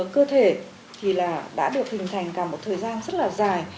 cơ thể thì là đã được hình thành cả một thời gian rất là dài